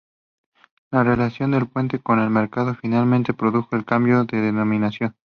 La relación del puente con el mercado finalmente produjo el cambio de denominación.